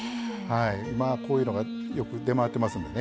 今こういうのがよく出回ってますんでね